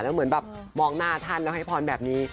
แล้วเหมือนแบบมองหน้าท่านแล้วให้พรแบบนี้